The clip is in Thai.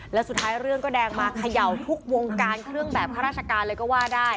แล้วสุดท้ายเรื่องก็แดงมาเขย่าทุกวงการเครื่องแบบข้าราชการเลยก็ว่าได้